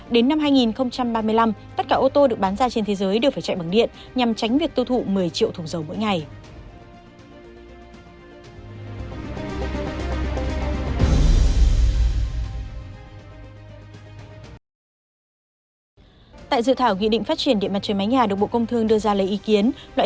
đến năm hai nghìn ba mươi năm tất cả ô tô được bán ra trên thế giới đều phải chạy bằng điện nhằm tránh việc tiêu thụ một mươi triệu thùng dầu mỗi ngày